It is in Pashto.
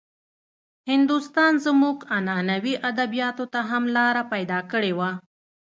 هندوستان زموږ عنعنوي ادبياتو ته هم لاره پيدا کړې وه.